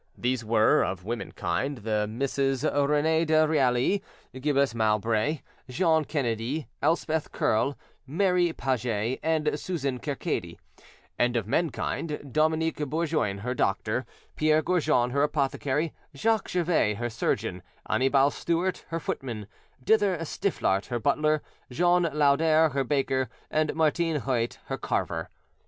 These were, of womenkind, the Misses Renee de Really, Gilles Mowbray, Jeanne Kennedy, Elspeth Curle, Mary Paget, and Susan Kercady; and of men kind, Dominique Bourgoin her doctor, Pierre Gorjon her apothecary, Jacques Gervais her surgeon, Annibal Stewart her footman, Dither Sifflart her butler, Jean Laudder her baker, and Martin Huet her carver.